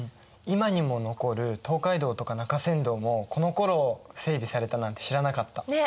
今にも残る東海道とか中山道もこのころ整備されたなんて知らなかった。ね！